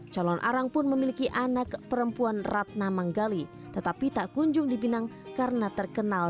calon arang pun memiliki anak perempuan ratna manggali tetapi tak kunjung dipinang karena terkenal